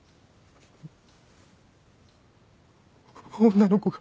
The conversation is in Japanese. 女の子が